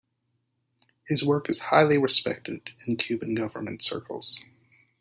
His work is highly respected in Cuban government circles.